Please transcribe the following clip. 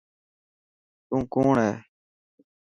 تون ڪوڻ هي.